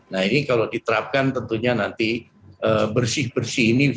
nah ini kalau diterapkan tentunya nanti bersih bersih ini bisa berjalan dengan baik